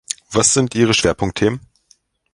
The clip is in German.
Was sind Ihre Schwerpunktthemen?